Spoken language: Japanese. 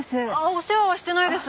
お世話はしてないです。